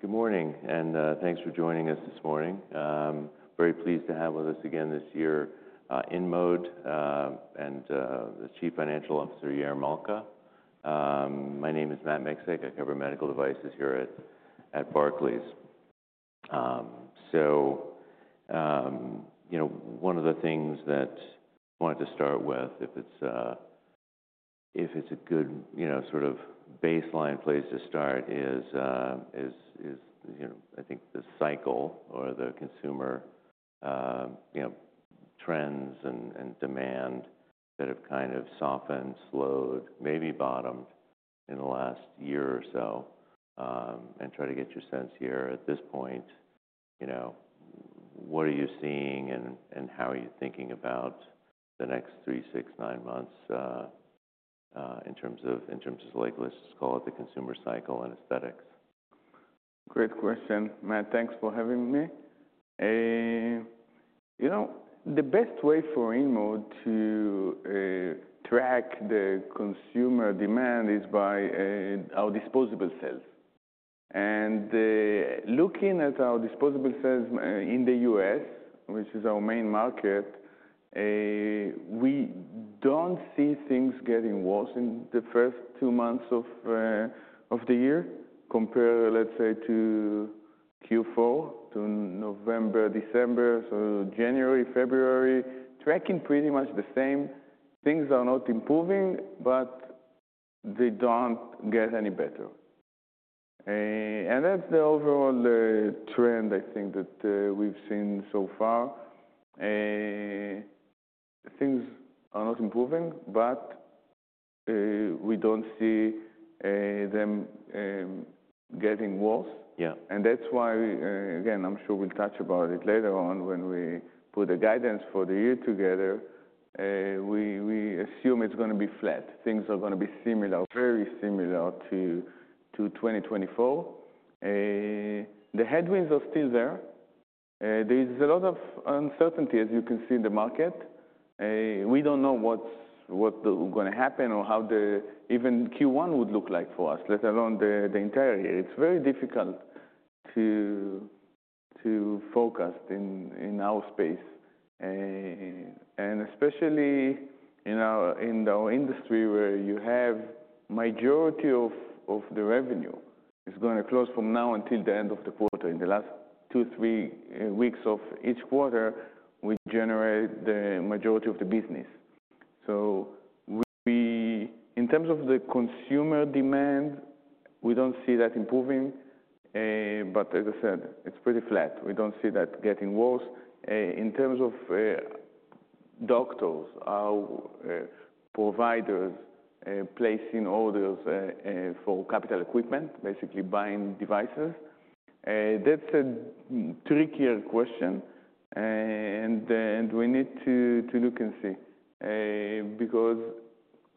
Good morning, and thanks for joining us this morning. Very pleased to have with us again this year InMode and the Chief Financial Officer, Yair Malca. My name is Matt Miksic. I cover medical devices here at Barclays. One of the things that I wanted to start with, if it's a good sort of baseline place to start, is I think the cycle or the consumer trends and demand that have kind of softened, slowed, maybe bottomed in the last year or so. Try to get your sense here at this point, what are you seeing and how are you thinking about the next three, six, nine months in terms of, let's call it the consumer cycle and aesthetics? Great question. Matt, thanks for having me. The best way for InMode to track the consumer demand is by our disposable sales. Looking at our disposable sales in the US, which is our main market, we do not see things getting worse in the first two months of the year compared, let's say, to Q4, to November, December. January, February, tracking pretty much the same. Things are not improving, but they do not get any better. That is the overall trend I think that we have seen so far. Things are not improving, but we do not see them getting worse. That is why, again, I am sure we will touch about it later on when we put the guidance for the year together, we assume it is going to be flat. Things are going to be similar, very similar to 2024. The headwinds are still there. There is a lot of uncertainty, as you can see in the market. We do not know what is going to happen or how even Q1 would look like for us, let alone the entire year. It is very difficult to focus in our space, especially in our industry where you have the majority of the revenue going to close from now until the end of the quarter. In the last two or three weeks of each quarter, we generate the majority of the business. In terms of the consumer demand, we do not see that improving. As I said, it is pretty flat. We do not see that getting worse. In terms of doctors, our providers placing orders for capital equipment, basically buying devices, that is a trickier question. We need to look and see because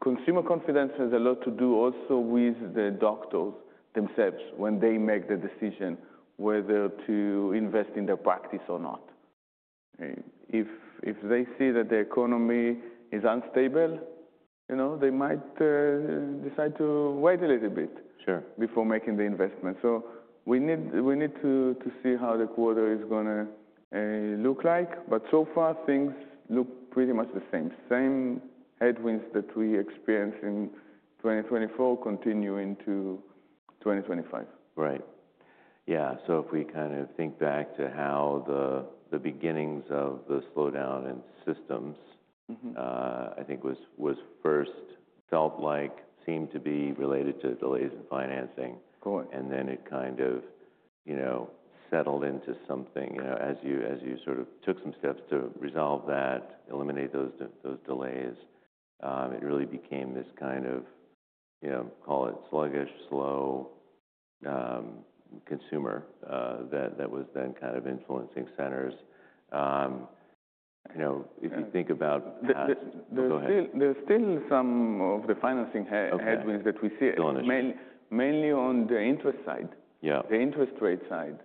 consumer confidence has a lot to do also with the doctors themselves when they make the decision whether to invest in their practice or not. If they see that the economy is unstable, they might decide to wait a little bit before making the investment. We need to see how the quarter is going to look like. So far, things look pretty much the same. Same headwinds that we experienced in 2024 continuing to 2025. Right. Yeah. If we kind of think back to how the beginnings of the slowdown in systems I think was first felt, it seemed to be related to delays in financing. It kind of settled into something. As you sort of took some steps to resolve that, eliminate those delays, it really became this kind of, call it sluggish, slow consumer that was then kind of influencing centers. If you think about. There's still some of the financing headwinds that we see. Still an issue. Mainly on the interest side, the interest rate side.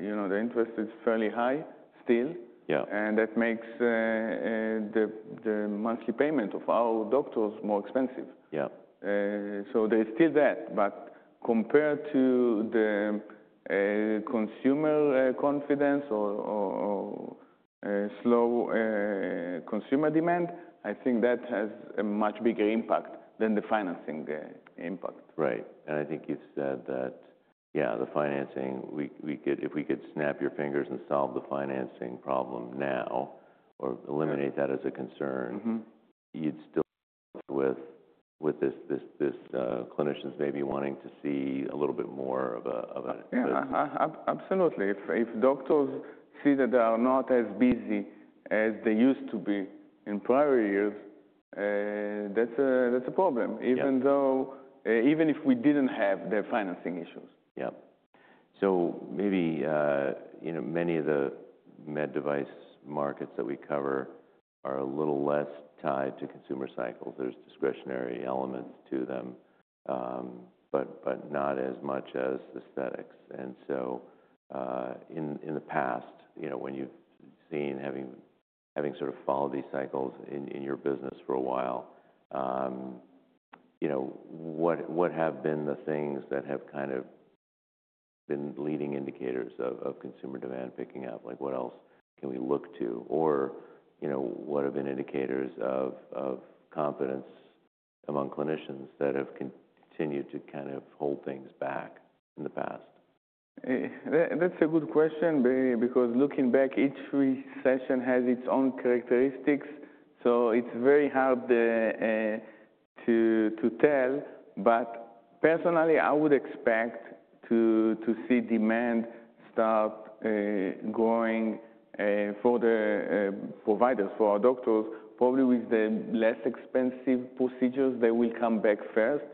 The interest is fairly high still. That makes the monthly payment of our doctors more expensive. There is still that. Compared to the consumer confidence or slow consumer demand, I think that has a much bigger impact than the financing impact. Right. I think you've said that, yeah, the financing, if we could snap your fingers and solve the financing problem now or eliminate that as a concern, you'd still be left with this clinicians maybe wanting to see a little bit more of a. Absolutely. If doctors see that they are not as busy as they used to be in prior years, that's a problem, even if we didn't have the financing issues. Yep. Maybe many of the med device markets that we cover are a little less tied to consumer cycles. There's discretionary elements to them, but not as much as aesthetics. In the past, when you've seen having sort of followed these cycles in your business for a while, what have been the things that have kind of been leading indicators of consumer demand picking up? What else can we look to? What have been indicators of confidence among clinicians that have continued to kind of hold things back in the past? That's a good question because looking back, each recession has its own characteristics. It is very hard to tell. Personally, I would expect to see demand start growing for the providers, for our doctors, probably with the less expensive procedures. They will come back first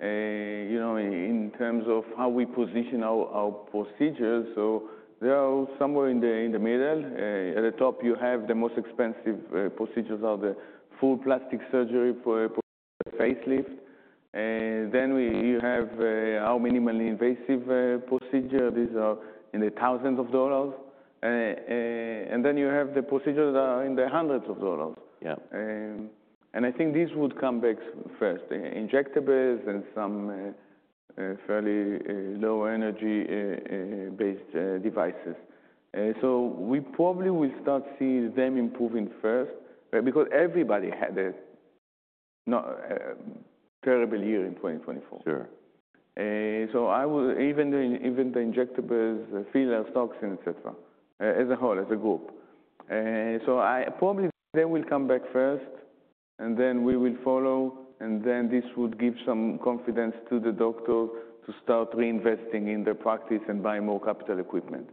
in terms of how we position our procedures. They are somewhere in the middle. At the top, you have the most expensive procedures, the full plastic surgery for facelift. You have our minimally invasive procedures. These are in the thousands of dollars. You have the procedures that are in the hundreds of dollars. I think these would come back first, injectables and some fairly low-energy-based devices. We probably will start seeing them improving first because everybody had a terrible year in 2024. Even the injectables, fillers, toxins, et cetera, as a whole, as a group. Probably they will come back first, and then we will follow. This would give some confidence to the doctor to start reinvesting in their practice and buy more capital equipment.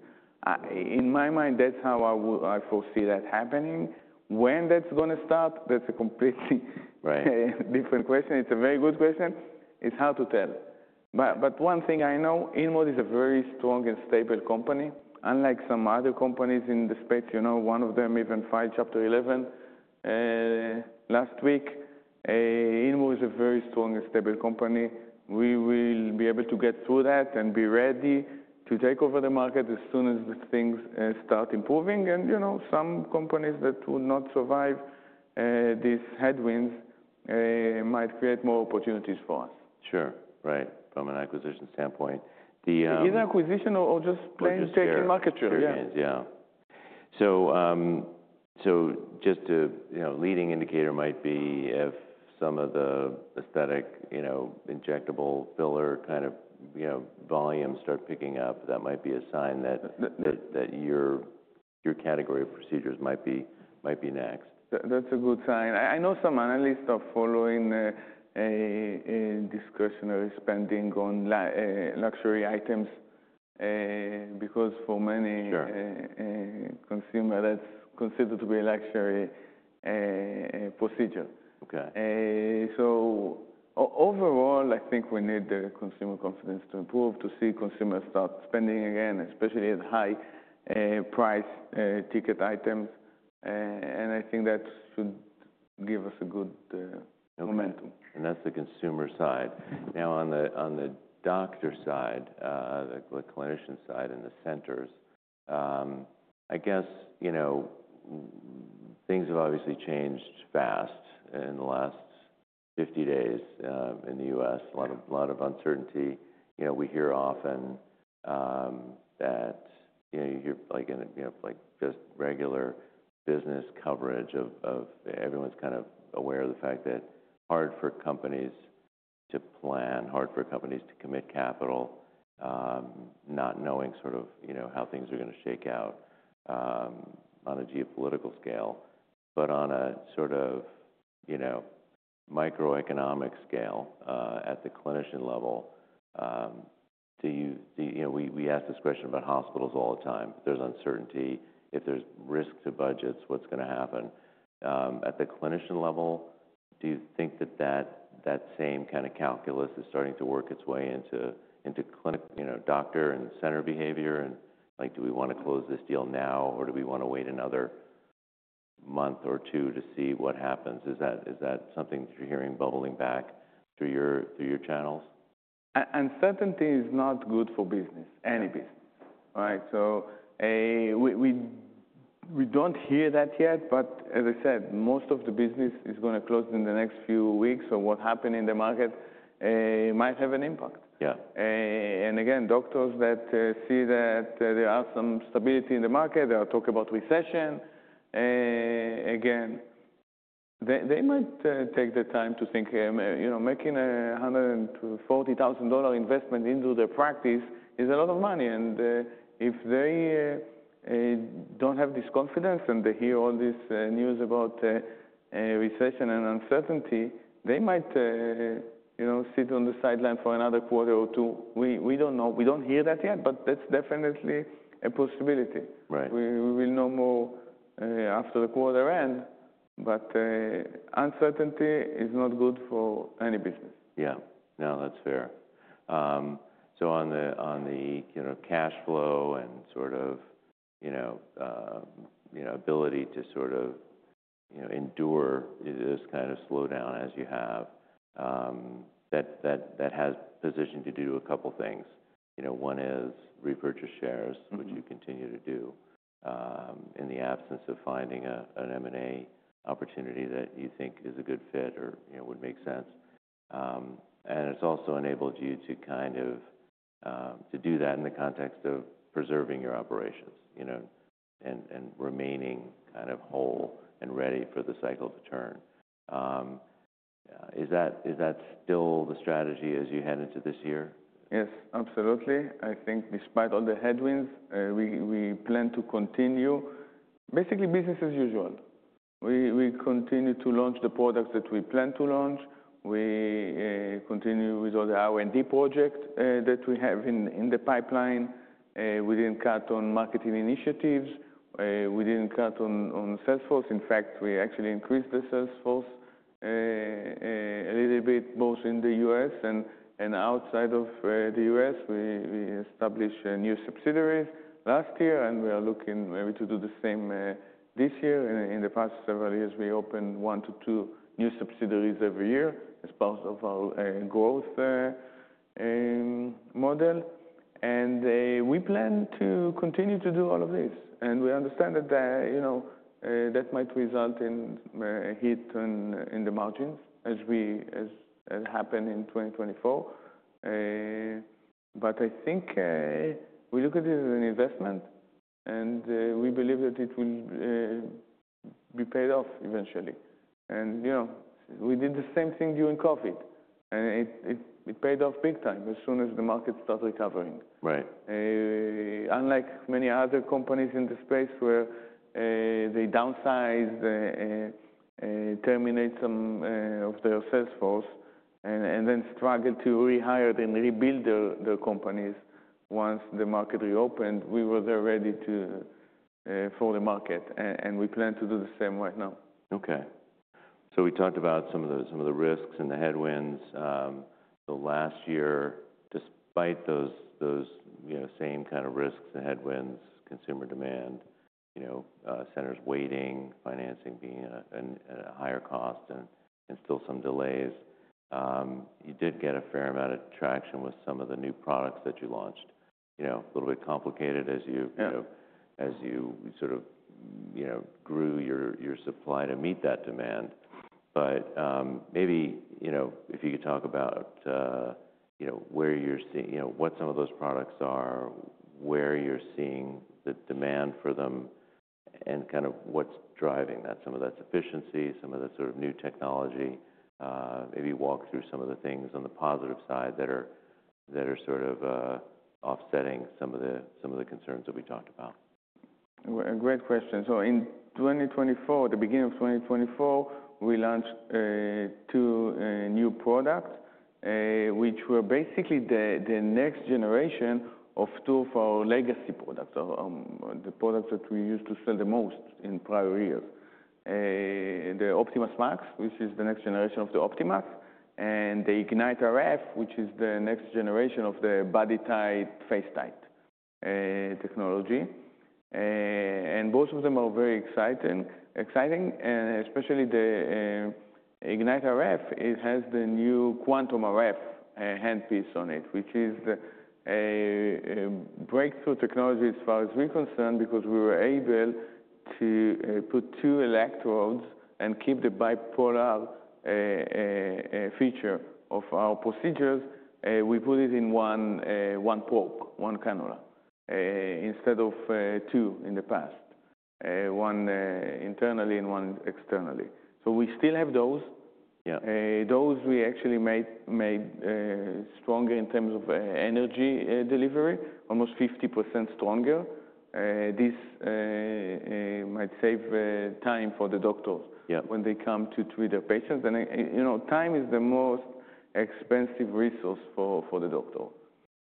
In my mind, that's how I foresee that happening. When that's going to start, that's a completely different question. It's a very good question. It's hard to tell. One thing I know, InMode is a very strong and stable company. Unlike some other companies in the space, one of them even filed Chapter 11 last week. InMode is a very strong and stable company. We will be able to get through that and be ready to take over the market as soon as things start improving. Some companies that would not survive these headwinds might create more opportunities for us. Sure. Right. From an acquisition standpoint. Either acquisition or just plain traditional market share. Traditional shares, yeah. Just a leading indicator might be if some of the aesthetic injectable filler kind of volumes start picking up, that might be a sign that your category of procedures might be next. That's a good sign. I know some analysts are following discretionary spending on luxury items because for many consumers, that's considered to be a luxury procedure. Overall, I think we need the consumer confidence to improve, to see consumers start spending again, especially at high-price ticket items. I think that should give us a good momentum. That's the consumer side. Now, on the doctor side, the clinician side and the centers, I guess things have obviously changed fast in the last 50 days in the US. A lot of uncertainty. We hear often that you hear just regular business coverage of everyone's kind of aware of the fact that hard for companies to plan, hard for companies to commit capital, not knowing sort of how things are going to shake out on a geopolitical scale. On a sort of microeconomic scale at the clinician level, we ask this question about hospitals all the time. There's uncertainty. If there's risk to budgets, what's going to happen? At the clinician level, do you think that that same kind of calculus is starting to work its way into doctor and center behavior? Do we want to close this deal now, or do we want to wait another month or two to see what happens? Is that something that you're hearing bubbling back through your channels? Uncertainty is not good for business, any business, right? We do not hear that yet. As I said, most of the business is going to close in the next few weeks. What happened in the market might have an impact. Again, doctors that see that there is some stability in the market, they will talk about recession. They might take the time to think making a $140,000 investment into their practice is a lot of money. If they do not have this confidence and they hear all this news about recession and uncertainty, they might sit on the sideline for another quarter or two. We do not know. We do not hear that yet, but that is definitely a possibility. We will know more after the quarter end. Uncertainty is not good for any business. Yeah. No, that's fair. On the cash flow and sort of ability to sort of endure this kind of slowdown as you have, that has positioned you to do a couple of things. One is repurchase shares, which you continue to do in the absence of finding an M&A opportunity that you think is a good fit or would make sense. It has also enabled you to kind of do that in the context of preserving your operations and remaining kind of whole and ready for the cycle to turn. Is that still the strategy as you head into this year? Yes, absolutely. I think despite all the headwinds, we plan to continue. Basically, business as usual. We continue to launch the products that we plan to launch. We continue with all the R&D projects that we have in the pipeline. We didn't cut on marketing initiatives. We didn't cut on sales force. In fact, we actually increased the sales force a little bit, both in the US and outside of the US. We established new subsidiaries last year, and we are looking maybe to do the same this year. In the past several years, we opened one to two new subsidiaries every year as part of our growth model. We plan to continue to do all of this. We understand that that might result in hit in the margins as happened in 2024. I think we look at it as an investment, and we believe that it will be paid off eventually. We did the same thing during COVID, and it paid off big time as soon as the market started recovering. Unlike many other companies in the space where they downsized, terminated some of their sales force, and then struggled to rehire and rebuild their companies once the market reopened, we were there ready for the market. We plan to do the same right now. Okay. We talked about some of the risks and the headwinds. Last year, despite those same kind of risks and headwinds, consumer demand, centers waiting, financing being at a higher cost, and still some delays, you did get a fair amount of traction with some of the new products that you launched. A little bit complicated as you sort of grew your supply to meet that demand. Maybe if you could talk about where you're seeing what some of those products are, where you're seeing the demand for them, and kind of what's driving that, some of that efficiency, some of that sort of new technology. Maybe walk through some of the things on the positive side that are sort of offsetting some of the concerns that we talked about. Great question. In 2024, the beginning of 2024, we launched two new products, which were basically the next generation of two of our legacy products, the products that we used to sell the most in prior years. The OptimasMAX, which is the next generation of the Optimas, and the IgniteRF, which is the next generation of the Body Tite, Face Tite technology. Both of them are very exciting, especially the IgniteRF. It has the new QuantumRF handpiece on it, which is a breakthrough technology as far as we're concerned because we were able to put two electrodes and keep the bipolar feature of our procedures. We put it in one port, one cannula instead of two in the past, one internally and one externally. We still have those. Those we actually made stronger in terms of energy delivery, almost 50% stronger. This might save time for the doctors when they come to treat their patients. Time is the most expensive resource for the doctor.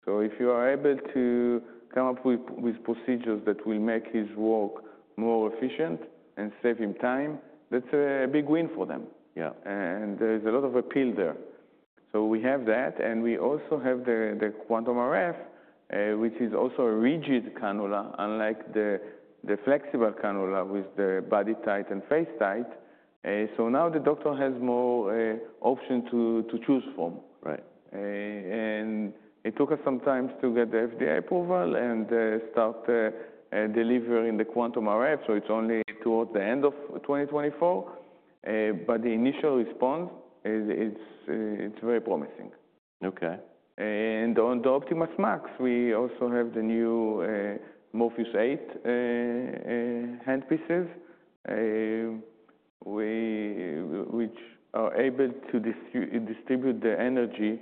If you are able to come up with procedures that will make his work more efficient and save him time, that's a big win for them. There is a lot of appeal there. We have that. We also have the QuantumRF, which is also a rigid cannula, unlike the flexible cannula with the Body Tite and Face Tite. Now the doctor has more options to choose from. It took us some time to get the FDA approval and start delivering the QuantumRF. It is only towards the end of 2024. The initial response, it's very promising. On the OptimasMAX, we also have the new Morpheus8 handpieces, which are able to distribute the energy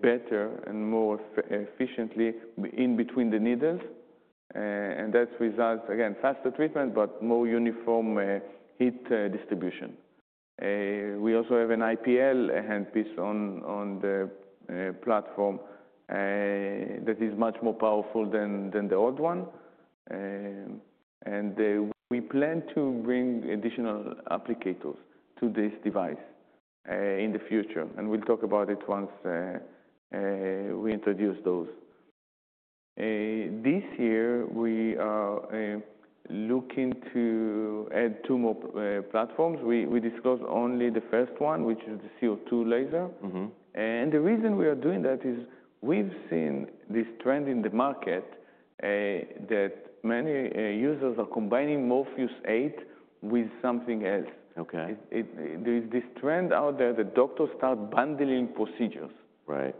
better and more efficiently in between the needles. That results, again, in faster treatment, but more uniform heat distribution. We also have an IPL handpiece on the platform that is much more powerful than the old one. We plan to bring additional applicators to this device in the future. We will talk about it once we introduce those. This year, we are looking to add two more platforms. We discussed only the first one, which is the CO2 laser. The reason we are doing that is we've seen this trend in the market that many users are combining Morpheus8 with something else. There is this trend out there that doctors start bundling procedures,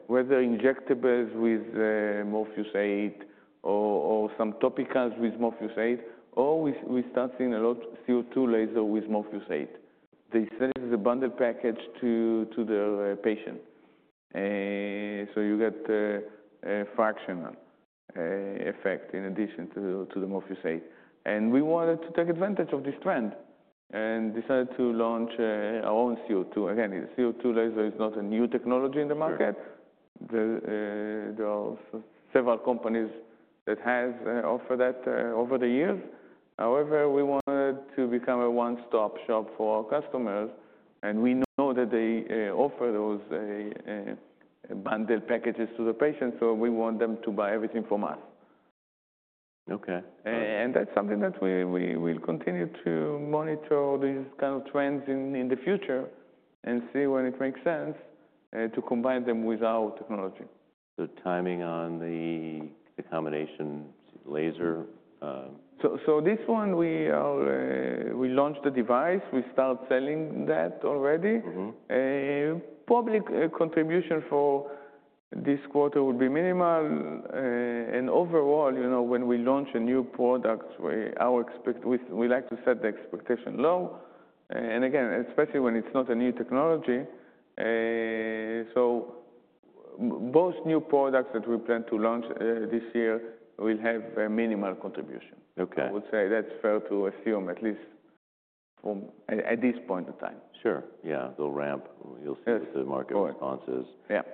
whether injectables with Morpheus8 or some topicals with Morpheus8, or we start seeing a lot of CO2 laser with Morpheus8. They send it as a bundle package to their patient. You get a fractional effect in addition to the Morpheus8. We wanted to take advantage of this trend and decided to launch our own CO2. Again, the CO2 laser is not a new technology in the market. There are several companies that have offered that over the years. However, we wanted to become a one-stop shop for our customers. We know that they offer those bundle packages to the patients. We want them to buy everything from us. That is something that we will continue to monitor, these kind of trends in the future, and see when it makes sense to combine them with our technology. Timing on the combination laser. We launched the device. We started selling that already. Public contribution for this quarter will be minimal. Overall, when we launch a new product, we like to set the expectation low. Again, especially when it's not a new technology. Both new products that we plan to launch this year will have minimal contribution. I would say that's fair to assume at least at this point in time. Sure. Yeah. They'll ramp. You'll see what the market response is. The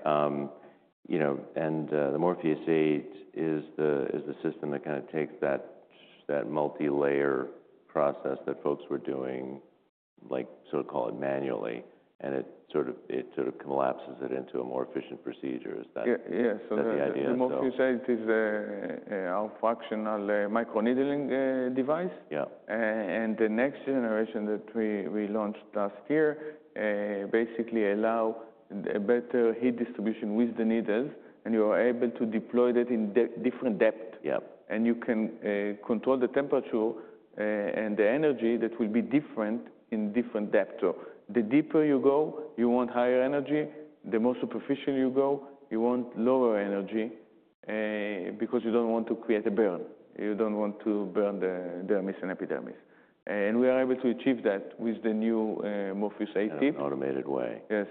Morpheus8 is the system that kind of takes that multilayer process that folks were doing, sort of call it manually, and it sort of collapses it into a more efficient procedure. Is that the idea? Yeah. The Morpheus8 is a functional microneedling device. The next generation that we launched last year basically allows better heat distribution with the needles. You are able to deploy that in different depth. You can control the temperature and the energy that will be different in different depth. The deeper you go, you want higher energy. The more superficial you go, you want lower energy because you do not want to create a burn. You do not want to burn dermis and epidermis. We are able to achieve that with the new Morpheus8. In an automated way. Yes.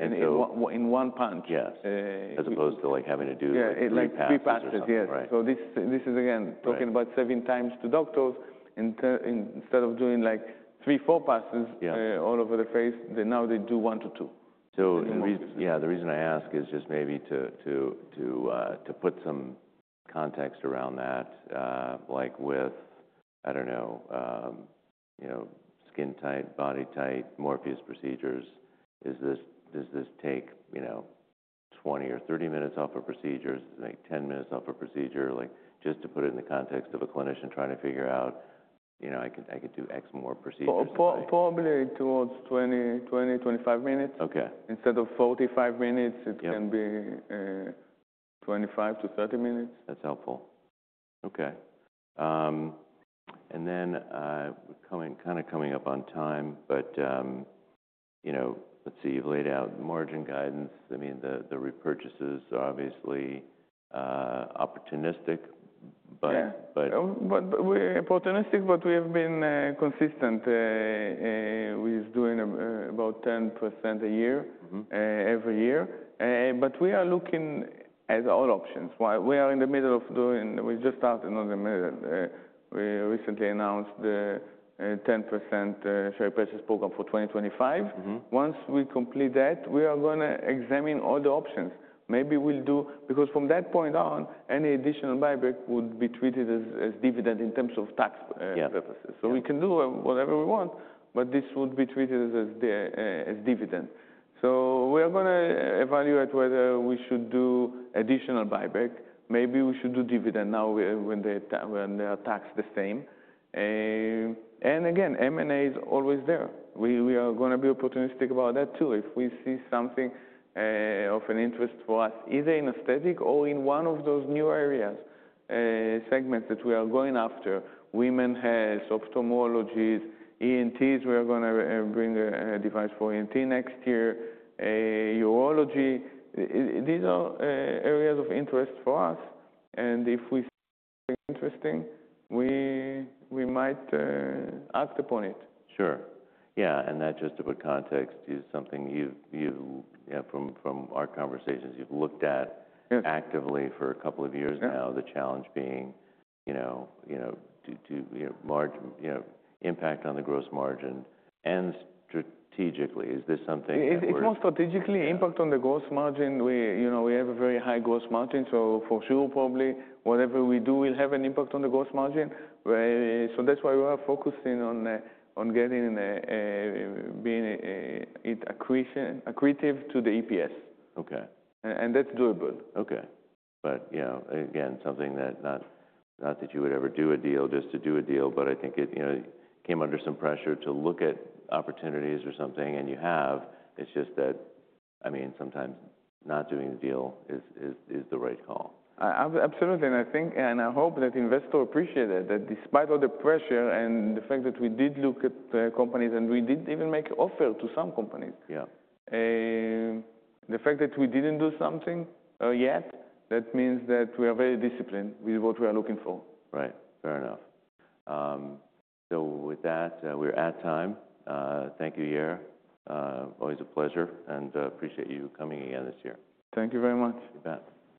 In one punch. Yes. As opposed to having to do three passes. Yeah, three passes. Yes. This is, again, talking about saving times to doctors. Instead of doing like three, four passes all over the face, now they do one to two. Yeah, the reason I ask is just maybe to put some context around that. Like with, I don't know, Body Tite, Face Tite, Morpheus8 procedures, does this take 20 or 30 minutes off a procedure? Is it like 10 minutes off a procedure? Just to put it in the context of a clinician trying to figure out, I could do X more procedures. Probably towards 20, 25 minutes. Instead of 45 minutes, it can be 25-30 minutes. That's helpful. Okay. And then kind of coming up on time, but let's see. You've laid out margin guidance. I mean, the repurchases are obviously opportunistic, but. Yeah. Opportunistic, but we have been consistent with doing about 10% a year every year. We are looking at all options. We are in the middle of doing, we just started on the recently announced 10% share purchase program for 2025. Once we complete that, we are going to examine all the options. Maybe we'll do, because from that point on, any additional buyback would be treated as dividend in terms of tax purposes. We can do whatever we want, but this would be treated as dividend. We are going to evaluate whether we should do additional buyback. Maybe we should do dividend now when they are taxed the same. Again, M&A is always there. We are going to be opportunistic about that too. If we see something of an interest for us, either in aesthetic or in one of those new areas, segments that we are going after, women health, ophthalmology, ENTs, we are going to bring a device for ENT next year, urology. These are areas of interest for us. If we see something interesting, we might act upon it. Sure. Yeah. That, just to put context, is something you've, from our conversations, you've looked at actively for a couple of years now, the challenge being the impact on the gross margin and strategically. Is this something? It's more strategically, impact on the gross margin. We have a very high gross margin. For sure, probably whatever we do will have an impact on the gross margin. That's why we are focusing on getting it accretive to the EPS. That's doable. Okay. Yeah, again, something that not that you would ever do a deal just to do a deal, but I think it came under some pressure to look at opportunities or something, and you have. It's just that, I mean, sometimes not doing the deal is the right call. Absolutely. I think and I hope that investors appreciate that, that despite all the pressure and the fact that we did look at companies and we did not even make an offer to some companies, the fact that we did not do something yet, that means that we are very disciplined with what we are looking for. Right. Fair enough. With that, we're at time. Thank you, Yair. Always a pleasure. Appreciate you coming again this year. Thank you very much. You bet.